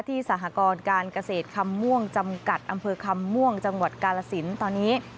สหกรการเกษตรคำม่วงจำกัดอำเภอคำม่วงจังหวัดกาลสินตอนนี้